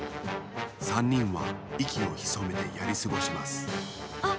３にんはいきをひそめてやりすごしますあっ